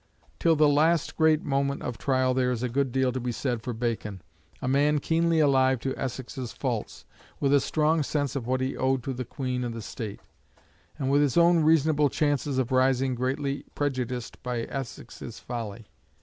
Till the last great moment of trial there is a good deal to be said for Bacon: a man keenly alive to Essex's faults, with a strong sense of what he owed to the Queen and the State, and with his own reasonable chances of rising greatly prejudiced by Essex's folly.